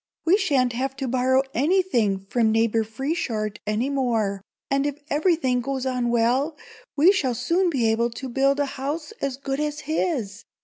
We sha'n't have to borrow anything from Neighbor Frieshardt any more, and if everything goes on well, we shall soon be able to build a house as good as his.